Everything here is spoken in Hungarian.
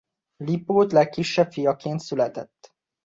Lipót legkisebb fiaként született.